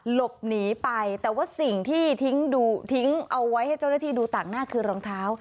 หลบหนีไปแต่ว่าสิ่งที่ทิ้งเอาไว้ให้เจ้าหน้าที่ดูต่างหน้าคือรองเท้า